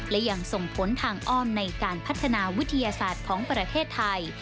และยังส่งผลทางอ้อมในการพัฒนาวิทยาศาสตร์ของประเทศไทย